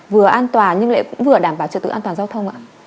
vừa an toàn nhưng lại cũng vừa đảm bảo trật tự an toàn giao thông ạ